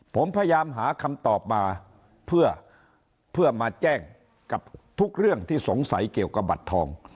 ผมพยายามหาคำตอบมาเพื่อมาแจ้งกับทุกเรื่องที่สงสัยเกี่ยวกับบัตรทอง